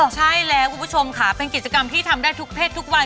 ใช่แล้วคุณผู้ชมค่ะเป็นกิจกรรมที่ทำได้ทุกเพศทุกวัน